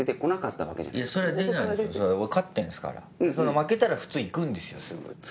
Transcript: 負けたら普通行くんですよすぐ。